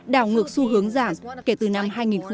đảo ngược xu hướng giảm kể từ năm hai nghìn một mươi